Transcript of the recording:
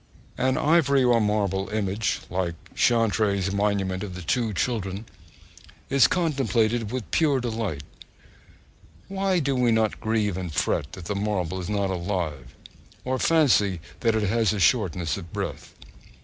An ivory or marble image, like Chantry's monument of the two children, is contemplated with pure delight. Why do we not grieve and fret that the marble is not alive, or fancy that it has a shortness of breath?